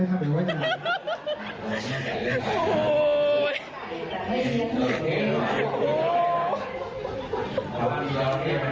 โอ้โห